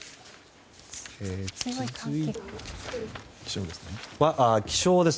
続いては気象です。